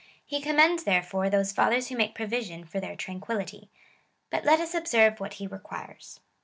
He commends therefore those fathers who make provision for their tranquillity ; but let us obseiTO what he requires.